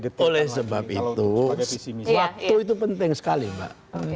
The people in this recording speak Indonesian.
oleh sebab itu waktu itu penting sekali mbak